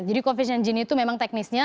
jadi koevisian genie itu memang teknisnya